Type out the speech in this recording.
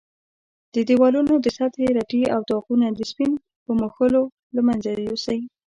د دېوالونو د سطحې رټې او داغونه د سپین په مښلو له منځه یوسئ.